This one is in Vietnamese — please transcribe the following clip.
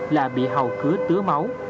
là bị hầu cửa tứa máu